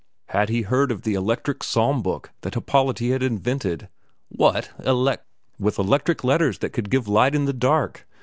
Had he heard of the electric psalm book that Happolati had invented? "What? Elec " "With electric letters that could give light in the dark!